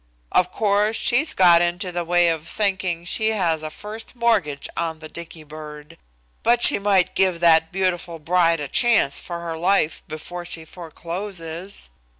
Of course she's got into the way of thinking she has a first mortgage on the Dicky bird, but she might give that beautiful bride a chance for her life before she forecloses."